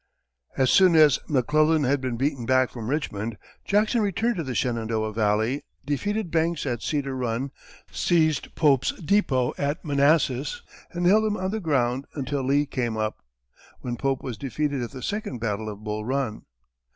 As soon as McClellan had been beaten back from Richmond, Jackson returned to the Shenandoah valley, defeated Banks at Cedar Run, seized Pope's depot at Manassas, and held him on the ground until Lee came up, when Pope was defeated at the second battle of Bull Run.